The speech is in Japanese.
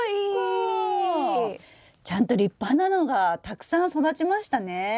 ちゃんと立派なのがたくさん育ちましたね！ね！